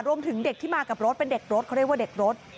รวมถึงเด็กที่มากับรถเป็นเด็กรถเขาเรียกว่าเด็กรถ